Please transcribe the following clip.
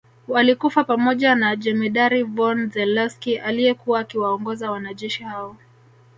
Walikufa pamoja na Jemedari von Zelewski aliyekuwa akiwaongoza wanajeshi hao